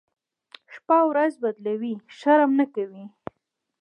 شپه ورځ بدلوي، شرم نه کوي.